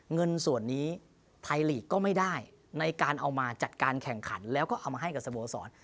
เงินส่วนนี้ไทยลีกก็ไม่ได้ในการเอามาจัดการแข่งขันแล้วก็เอามาให้กับสโมสร